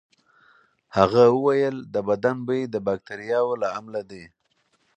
هغه وویل د بدن بوی د باکتریاوو له امله دی.